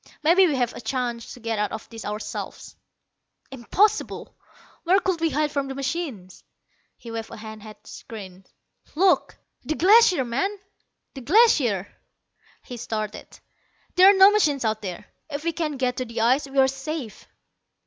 "Maybe we have a chance to get out of this ourselves." "Impossible. Where could we hide from the machines?" He waved a hand at the screens. "Look." "The Glacier, man, the Glacier!" He started. "There are no machines out there. If we can get to the ice we are safe."